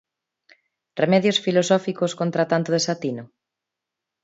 Remedios filosóficos contra tanto desatino?